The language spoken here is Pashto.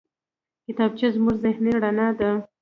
کتابچه زموږ ذهني رڼا ده